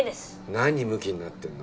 何ムキになってんの？